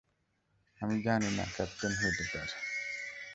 আমি জানি না, ক্যাপ্টেন হুইটেকার।